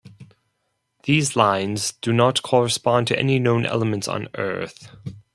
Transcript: These lines did not correspond to any known elements on Earth.